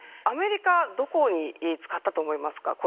アメリカ、どこに使ったと思いますか？